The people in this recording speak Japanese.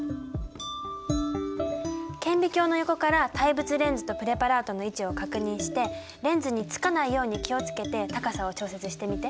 顕微鏡の横から対物レンズとプレパラートの位置を確認してレンズにつかないように気を付けて高さを調節してみて。